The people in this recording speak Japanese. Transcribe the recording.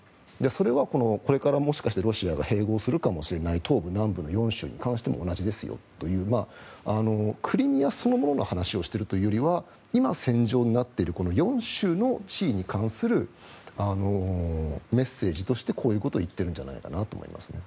それはこれからもしかしてロシアが併合するかもしれない東部・南部の４州に関しても同じですよというクリミアそのものの話をしているというよりは今、戦場になっているこの４州の地位に関するメッセージとしてこういうことを言っているんじゃないかなと思いますね。